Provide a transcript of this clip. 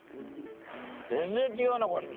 全然違うなこれ。